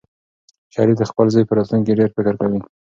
شریف د خپل زوی په راتلونکي ډېر فکر کوي.